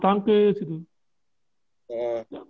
ada juga sempet main bola tankis